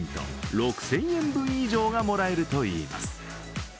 ６０００円分以上がもらえるといいます。